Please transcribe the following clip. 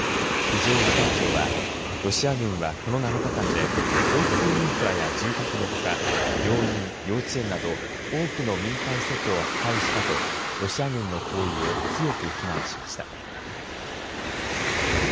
非常事態庁はロシア軍はこの７日間で交通インフラや住宅のほか病院、幼稚園など多くの民間施設を破壊したとロシア軍の行為を強く非難しました。